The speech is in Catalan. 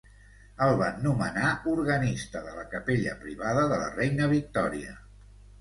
El van nomenar organista de la capella privada de la reina Victòria.